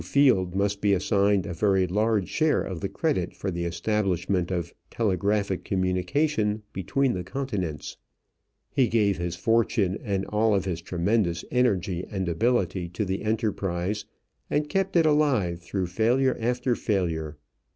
Field must be assigned a very large share of the credit for the establishment of telegraphic communication between the continents. He gave his fortune and all of his tremendous energy and ability to the enterprise and kept it alive through failure after failure.